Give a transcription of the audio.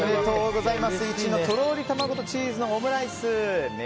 １位のとろり卵とチーズのオムライスを最高だな。